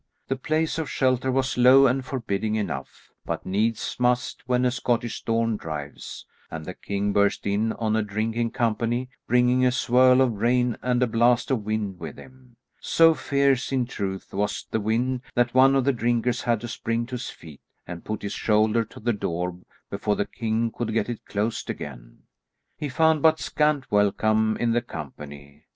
The place of shelter was low and forbidding enough, but needs must when a Scottish storm drives, and the king burst in on a drinking company, bringing a swirl of rain and a blast of wind with him; so fierce in truth was the wind that one of the drinkers had to spring to his feet and put his shoulder to the door before the king could get it closed again. He found but scant welcome in the company.